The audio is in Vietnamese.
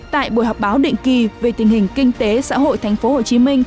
tại buổi họp báo định kỳ về tình hình kinh tế xã hội tp hcm